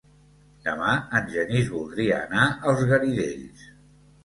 Demà en Genís voldria anar als Garidells.